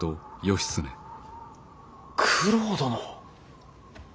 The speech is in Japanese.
九郎殿。